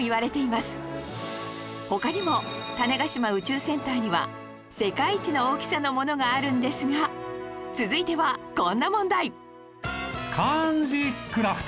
他にも種子島宇宙センターには世界一の大きさのものがあるんですが続いてはこんな問題